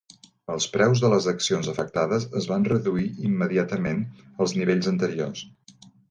Els preus de les accions afectades es van reduir immediatament als nivells anteriors.